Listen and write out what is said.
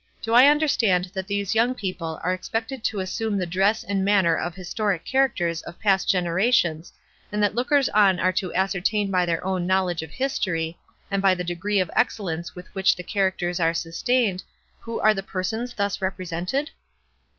Do I understand that these young people are expected to assume the dress and manner of historic characters of past gener ations, and that lookers on are to ascertain by their own knowledge of history, and by the de gree of excellence with which the characters are sustained, who are the persons thus repre sented